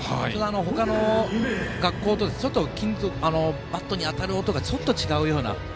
他の学校とバットに当たる音がちょっと違うような。